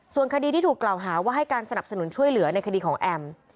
ส่วนคดีที่ถูกกล่าวหาว่าให้การสนับสนุนช่วยเหลือในคดีของแอม